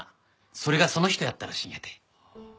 それがその人やったらしいんやて。